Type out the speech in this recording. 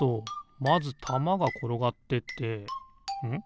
まずたまがころがってってん？